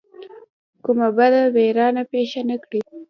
کومه بده ویرانه پېښه نه کړي.